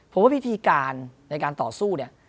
ผมว่าวิธีการในการต่อสู้เนี่ย